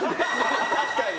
確かに。